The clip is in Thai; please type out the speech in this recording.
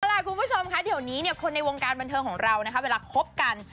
เอาล่ะคุณผู้ชมค่ะเดี๋ยวนี้เนี่ยคนในวงการบันเทิงของเรานะคะเวลาคบกัน